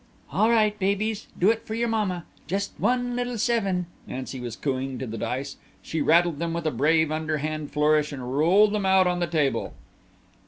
"All right, babies, do it for your mamma. Just one little seven." Nancy was cooing to the dice. She rattled them with a brave underhand flourish, and rolled them out on the table.